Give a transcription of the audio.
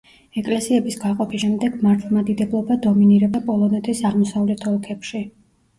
ეკლესიების გაყოფის შემდეგ მართლმადიდებლობა დომინირებდა პოლონეთის აღმოსავლეთ ოლქებში.